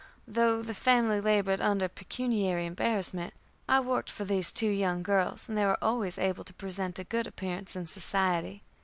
Though the family labored under pecuniary embarrassment, I worked for these two young girls, and they were always able to present a good appearance in society.